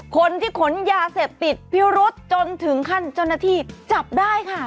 คนที่ขนยาเสพติดพี่รุ๊ดจนถึงขั้นจนที่จับได้ค่ะ